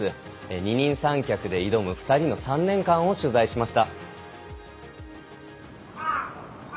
二人三脚で挑む２人の３年間を取材しました。